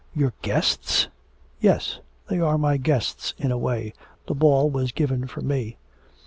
'Your guests?' 'Yes; they are my guests in a way, the ball was given for me.'